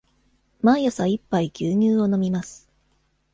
毎朝一杯牛乳を飲みます。